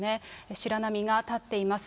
白波が立っています。